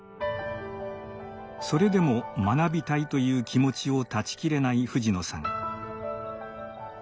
それでも学びたいという気持ちを断ち切れない藤野さん。